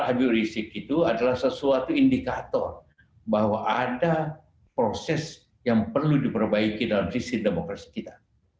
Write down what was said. habib rizik itu adalah sesuatu indikator bahwa ada proses yang perlu diperbaiki dalam sistem demokrasi kita